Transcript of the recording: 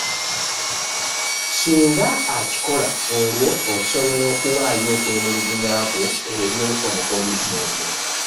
Singa akikola olwo osobola okuwaayo okwemulugunya kwo eri omupoliisi oyo.